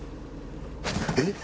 えっ！？